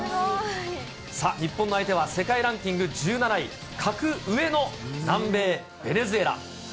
さあ、日本の相手は世界ランキング１７位、格上の南米ベネズエラ。